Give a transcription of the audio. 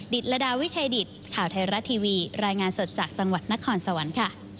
ตรดาวิชัยดิตข่าวไทยรัฐทีวีรายงานสดจากจังหวัดนครสวรรค์ค่ะ